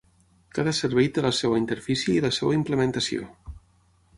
Cada servei té la seva interfície i la seva implementació.